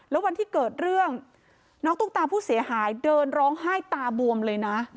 แล้ววันที่เกิดเรื่องน้องตุ๊กตาผู้เสียหายเดินร้องไห้ตาบวมเลยนะ